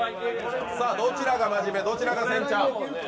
どちらがまじめどちらがせんちゃん。